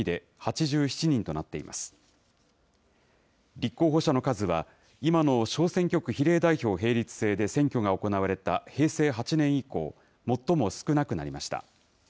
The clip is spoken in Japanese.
立候補者の数は、今の小選挙区比例代表並立制で選挙が行われた平成８年以降、最も少なくなりました。